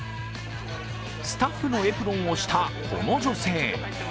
スタッフのエプロンをしたこの女性。